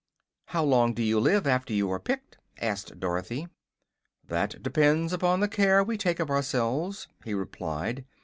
"How long do you live, after you are picked?" asked Dorothy. "That depends upon the care we take of ourselves," he replied.